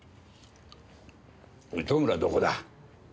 糸村どこだ？